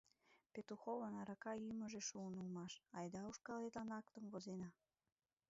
Петуховын арака йӱмыжӧ шуын улмаш.«Айда ушкалетлан актым возена!»